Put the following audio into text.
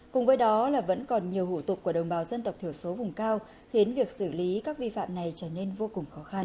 cùng với đó là vẫn còn nhiều hủ tục của đồng bào dân tộc thiểu số vùng cao khiến việc xử lý các vi phạm này trở nên vô cùng khó khăn